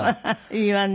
いいわね。